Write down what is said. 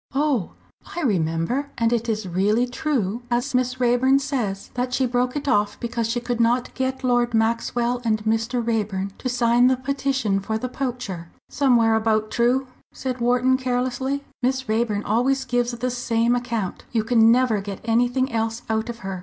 "Oh, I remember. And it is really true, as Miss Raeburn says, that she broke it off because she could not get Lord Maxwell and Mr. Raeburn to sign the petition for the poacher?" "Somewhere about true," said Wharton, carelessly. "Miss Raeburn always gives the same account; you can never get anything else out of her.